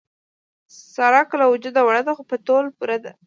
ساره که له وجوده وړه ده، خو په تول پوره ده.